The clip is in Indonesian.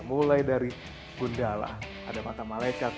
mulai dari gundala ada mata malekat